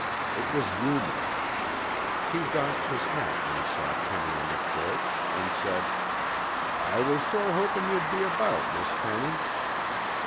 It was Yuma. He doffed his hat when he saw Penny on the porch, and said, "I was sure hopin' you'd be about, Miss Penny."